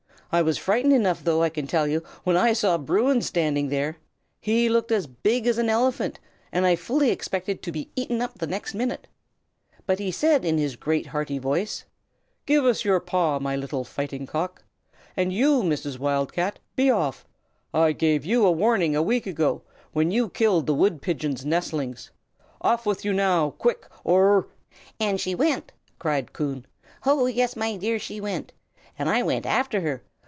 I was frightened enough, though, I can tell you, when I saw Bruin standing there. He looked as big as an elephant, and I fully expected to be eaten up the next minute. But he said, in his great hearty voice, "'Give us your paw, my little fighting cock! And you, Mrs. Wildcat, be off! I gave you warning a week ago, when you killed the wood pigeon's nestlings. Off with you, now, quick, or '" "And she went!" cried Coon. "Oh, yes, my dear, she went! And I went after her!